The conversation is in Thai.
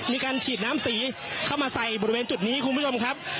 มีการฉีดน้ำสีเข้ามาใส่บริเวณจุดนี้คุณผู้ชมครับ